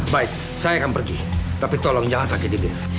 baik saya akan pergi tapi tolong jangan sakiti dev